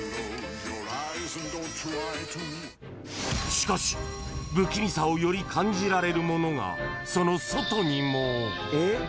［しかし不気味さをより感じられるものがその外にも］